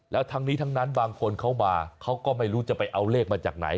แล้วทั้งนี้ทั้งนั้นบางคนเขามาเขาก็ไม่รู้จะไปเอาเลขมาจากไหน